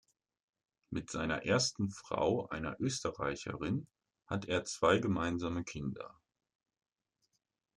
Mit seiner ersten Frau, einer Österreicherin, hat er zwei gemeinsame Kinder.